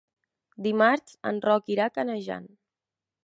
Dimarts en Roc irà a Canejan.